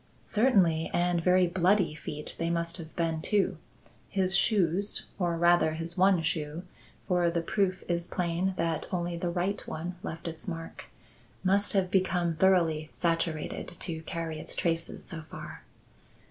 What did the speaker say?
"Certainly; and very bloody feet they must have been too. His shoes or rather his one shoe for the proof is plain that only the right one left its mark must have become thoroughly saturated to carry its traces so far."